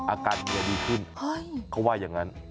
อาการเมียดีขึ้นเขาว่าอย่างนั้น